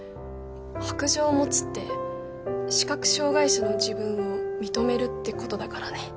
白杖持つって視覚障がい者の自分を認めるってことだからね。